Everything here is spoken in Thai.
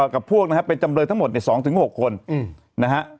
กับพวกนะครับเป็นจำเลยทั้งหมดใน๒๖คนนะฮะ